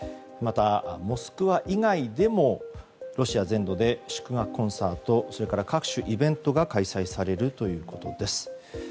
また、モスクワ以外でもロシア全土で祝賀コンサートそれから各種イベントが開催されるということです。